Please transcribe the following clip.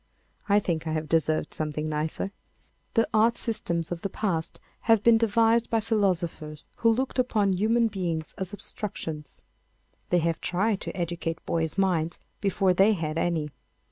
I think I have deserved something nicer. The art systems of the past have been devised by philosophers who looked upon human beings as obstructions. They have tried to educate boys' minds before they had any.